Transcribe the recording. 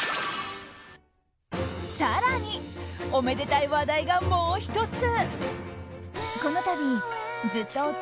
更に、おめでたい話題がもう１つ。